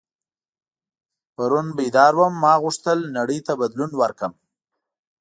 پرون بیدار وم ما غوښتل نړۍ ته بدلون ورکړم.